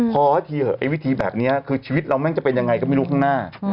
พอทีเหอะวิธีแบบนี้คือชีวิตเราแม่งจะเป็นยังไงก็ไม่รู้ข้างหน้า